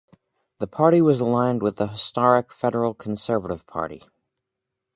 The party was aligned with the historic federal Conservative party.